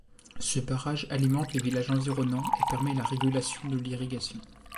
Ce barrage alimente les villages environnants et permet la régulation de l'irrigation.